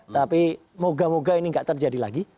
tapi moga moga ini tidak terjadi lagi